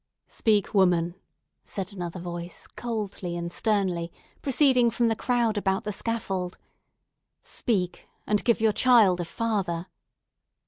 "Speak, woman!" said another voice, coldly and sternly, proceeding from the crowd about the scaffold, "Speak; and give your child a father!"